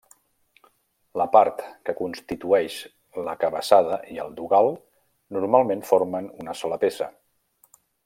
La part que constitueix la cabeçada i el dogal normalment formen una sola peça.